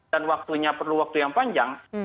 dan waktunya perlu waktu yang panjang